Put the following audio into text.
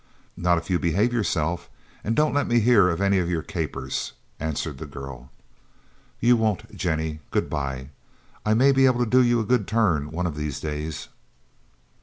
"No, if you behave yourself; but don't let me hear of any of your capers," answered the girl. "You won't, Jennie. Good bye. I may be able to do you a good turn one of these days."